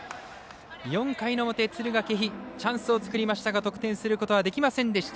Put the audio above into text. ４回の表、敦賀気比チャンスを作りましたが得点することはできませんでした。